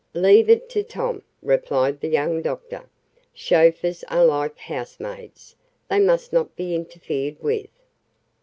"Leave it to Tom," replied the young doctor. "Chauffeurs are like house maids they must not be interfered with."